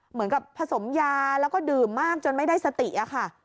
เหมือนกับผสมยาแล้วก็ดื่มมากจนไม่ได้สติอะค่ะ